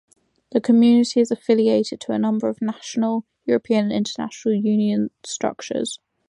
Community is affiliated to a number of national, European and International union structures.